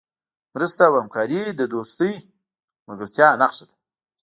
مرسته او همکاري د دوستۍ او ملګرتیا نښه ده.